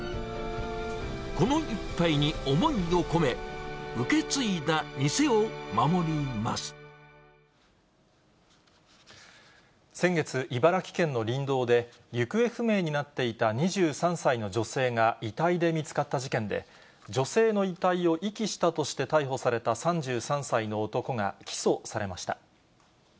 この一杯に思いを込め、受け継い先月、茨城県の林道で行方不明になっていた２３歳の女性が遺体で見つかった事件で、女性の遺体を遺棄したとして逮捕された３３歳の男が起訴されました。